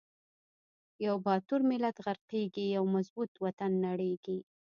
یو باتور ملت غر قیږی، یو مضبوط وطن نړیږی